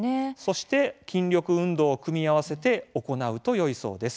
そして筋力運動を組み合わせて行うとよいそうです。